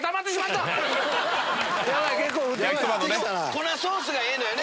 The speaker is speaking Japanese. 粉ソースがええのよね。